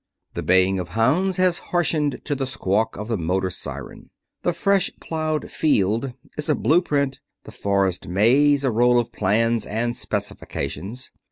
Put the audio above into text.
The baying of hounds has harshened to the squawk of the motor siren. The fresh plowed field is a blue print, the forest maze a roll of plans and specifications.